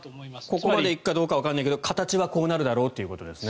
ここまで行くかどうかはわからないけど形はこうだろうということですよね。